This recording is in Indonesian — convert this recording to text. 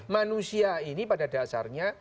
manusia ini pada dasarnya